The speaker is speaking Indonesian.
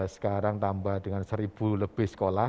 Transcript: sekarang tambah dengan seribu lebih sekolah